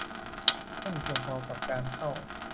ซึ่งเพียงพอกับการเข้า